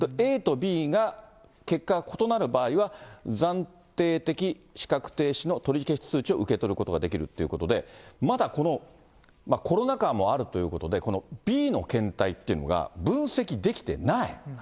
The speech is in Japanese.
ＡとＢが結果が異なる場合は、暫定的資格停止の取り消し通知を受け取ることができるということで、まだこの、コロナ禍もあるということで、このＢの検体っていうのが、分析できてない。